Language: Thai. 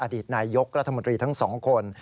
อดีตนายยกรัฐมนตรีทั้งสองคน